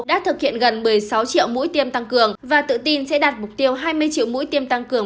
đã thực hiện gần một mươi sáu triệu mũi tiêm tăng cường và tự tin sẽ đạt mục tiêu hai mươi triệu mũi tiêm tăng cường